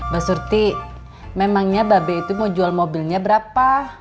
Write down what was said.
bah surti emangnya ba be itu mau jual mobilnya berapa